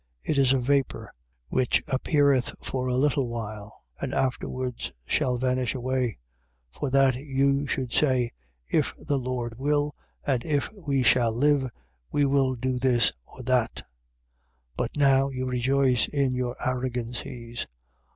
It is a vapour which appeareth for a little while and afterwards shall vanish away. For that you should say: If the Lord will, and, If we shall live, we will do this or that. 4:16. But now you rejoice in your arrogancies.